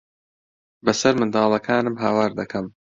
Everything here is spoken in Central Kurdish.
بەسەر منداڵەکانم ھاوار دەکەم.